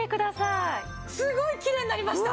すごいきれいになりました！